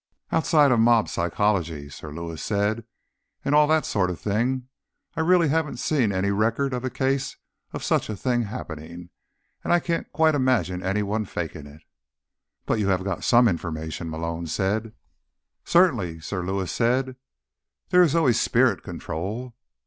"Outside of mob psychology," Sir Lewis said, "and all that sort of thing, I really haven't seen any record of a case of such a thing happening. And I can't quite imagine anyone faking it." "But you have got some information?" Malone said. "Certainly," Sir Lewis said. "There is always spirit control."